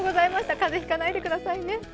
風邪ひかないでくださいね。